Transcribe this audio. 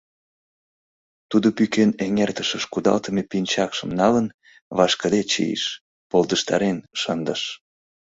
Тудо пӱкен эҥертышыш кудалтыме пинчакшым налын, вашкыде чийыш, полдыштарен шындыш.